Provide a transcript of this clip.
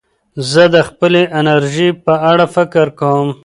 زه د خپلې انرژۍ په اړه فکر کوم.